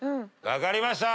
分かりました。